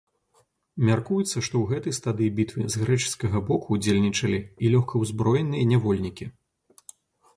Мяркуецца, што ў гэтай стадыі бітвы з грэчаскага боку ўдзельнічалі і лёгкаўзброеныя нявольнікі.